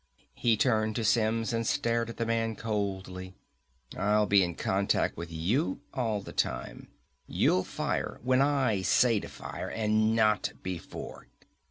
He turned to Simms and stared at the man coldly. "I'll be in contact with you all the time. You'll fire when I say to fire, and not before.